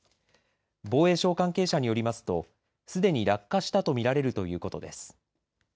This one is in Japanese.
防衛省関係者によりますとすでに落下したと見られるということです。